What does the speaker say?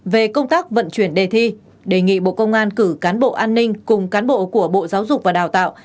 về công tác vận chuyển đề thi đề nghị bộ công an cử cán bộ an ninh cùng cán bộ của bộ giáo dục và đào tạo